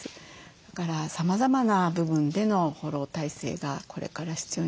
だからさまざまな部分でのフォロー体制がこれから必要になるかと思います。